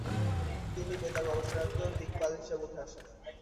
তিনি বেতার গবেষণার একজন দিকপাল হিসেবে উঠে আসেন।